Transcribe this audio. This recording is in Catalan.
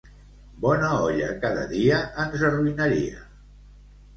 Bona olla cada dia ens arruïnaria.